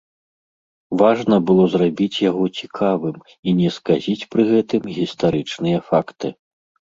Важна было зрабіць яго цікавым і не сказіць пры гэтым гістарычныя факты.